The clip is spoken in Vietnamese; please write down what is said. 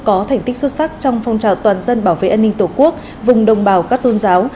có thành tích xuất sắc trong phong trào toàn dân bảo vệ an ninh tổ quốc vùng đồng bào các tôn giáo